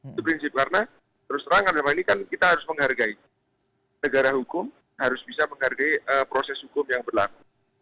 itu prinsip karena terus terang karena ini kan kita harus menghargai negara hukum harus bisa menghargai proses hukum yang berlaku